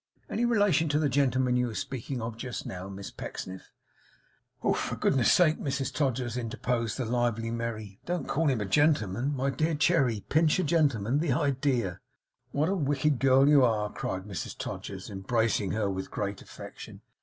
Any relation to the gentleman you were speaking of just now, Miss Pecksniff?' 'For goodness sake, Mrs Todgers,' interposed the lively Merry, 'don't call him a gentleman. My dear Cherry, Pinch a gentleman! The idea!' 'What a wicked girl you are!' cried Mrs Todgers, embracing her with great affection.